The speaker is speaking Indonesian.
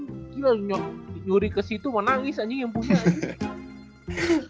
gila lu nyuri ke situ mau nangis anjing yang punya anjing